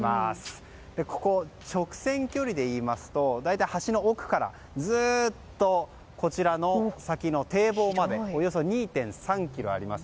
ここ直線距離でいいますと橋の奥からずっとこちらの先の堤防までおよそ２．３ｋｍあります。